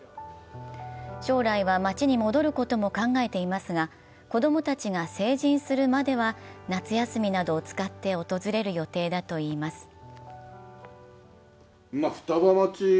将来は、町に戻ることも考えていますが、子供たちが成人するまでは夏休みなどを使って訪れる予定だといいます。